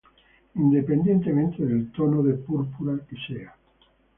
independientemente del tono de púrpura que sea